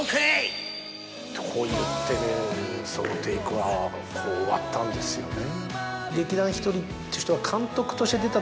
こう言ってねそのテイクは終わったんですよね。